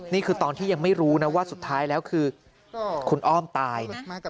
นี่คือตอนที่ยังไม่รู้นะว่าสุดท้ายแล้วคือคุณอ้อมตาย